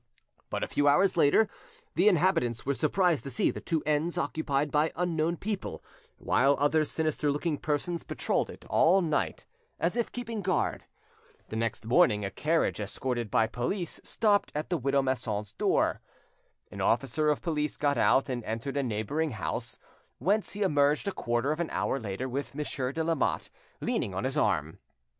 But, a few hours later, the inhabitants were surprised to see the two ends occupied by unknown people, while other sinister looking persons patrolled it all night, as if keeping guard. The next morning a carriage escorted by police stopped at the widow Masson's door. An officer of police got out and entered a neighbouring house, whence he emerged a quarter of an hour later with Monsieur de Lamotte leaning on his arm.